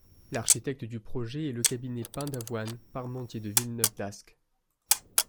L'architecte du projet est le cabinet Paindavoine Parmentier de Villeneuve d'Ascq.